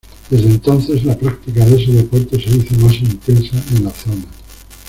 Desde entonces la práctica de ese deporte se hizo más intensa en la zona.